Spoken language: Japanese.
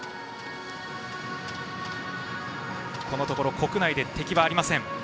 このところ国内で敵はありません。